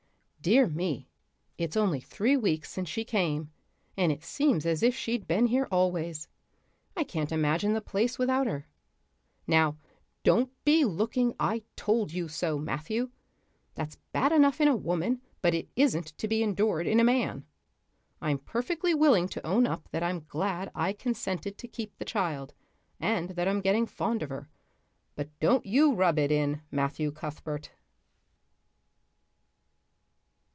Dear me, it's only three weeks since she came, and it seems as if she'd been here always. I can't imagine the place without her. Now, don't be looking I told you so, Matthew. That's bad enough in a woman, but it isn't to be endured in a man. I'm perfectly willing to own up that I'm glad I consented to keep the child and that I'm getting fond of her, but don't you rub it in, Matthew Cuthbert."